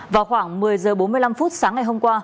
vào khoảng một mươi h bốn mươi năm sáng ngày hôm qua